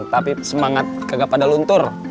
tapi semangat kagak pada luntur